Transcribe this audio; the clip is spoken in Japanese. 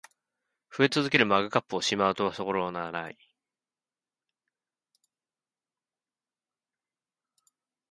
増え続けるマグカップをしまう場所が無い